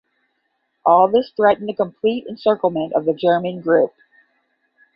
All this threatened the complete encirclement of the German group.